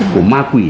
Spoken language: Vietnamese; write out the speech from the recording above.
của ma quỷ